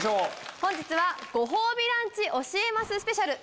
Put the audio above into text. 本日はご褒美ランチ教えますスペシャル。